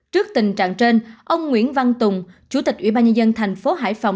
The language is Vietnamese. trước tình trạng trên ông nguyễn văn tùng chủ tịch ủy ban nhân dân thành phố hải phòng